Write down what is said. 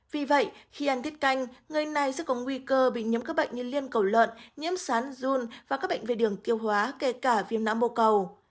vì vậy khi ăn tiết canh người này sẽ có nguy cơ bị nhấm các bệnh như liên cầu lợn nhiễm sán zun và các bệnh về đường tiêu hóa kể cả viêm não mô cầu